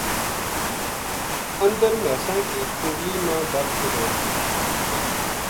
اندر مھیساں کی کُھرلی ما دب چھوڈیو